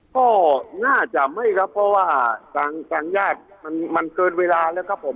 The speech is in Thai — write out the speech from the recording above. ก็น่าจะไม่ครับเพราะว่าทางญาติมันเกินเวลาแล้วครับผม